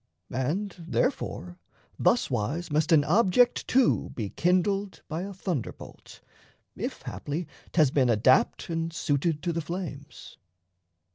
And therefore, thuswise must an object too Be kindled by a thunderbolt, if haply 'Thas been adapt and suited to the flames.